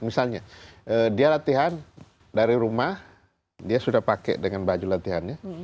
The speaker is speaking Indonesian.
misalnya dia latihan dari rumah dia sudah pakai dengan baju latihannya